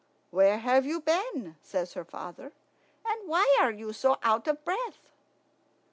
"Where have you been?" says her father; "and why are you so out of breath?"